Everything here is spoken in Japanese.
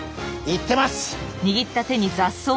いってます！